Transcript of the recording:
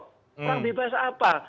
orang bebas apa